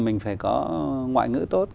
mình phải có ngoại ngữ tốt